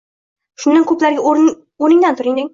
Shundan, ko’plariga o’rningdan turding